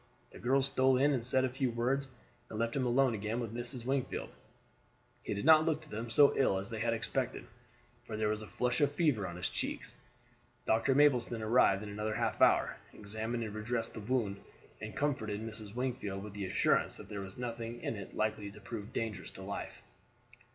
The girls stole in and said a few words, and left him alone again with Mrs. Wingfield. He did not look to them so ill as they had expected, for there was a flush of fever on his cheeks. Dr. Mapleston arrived in another half hour, examined and redressed the wound, and comforted Mrs. Wingfield with the assurance that there was nothing in it likely to prove dangerous to life.